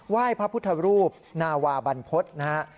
ไหว้พระพุทธรูปนาวาบัณฑฎนะฮะ